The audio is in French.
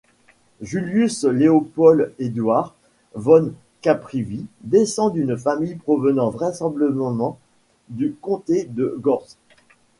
Julius Leopold Eduard von Caprivi descend d'une famille provenant vraisemblablement du comté de Görz.